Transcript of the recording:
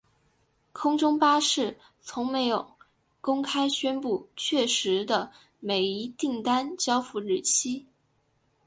空中巴士从没有公开宣布确实的每一订单交付日期。